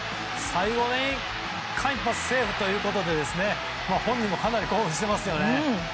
最後、セーフということで本人も興奮していますよね。